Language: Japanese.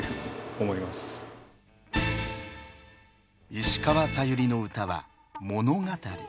石川さゆりの歌は物語。